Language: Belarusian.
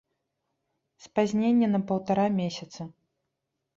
Спазненне на паўтара месяца.